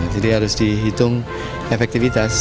jadi harus dihitung efektivitas